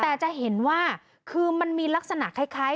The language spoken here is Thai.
แต่จะเห็นว่าคือมันมีลักษณะคล้าย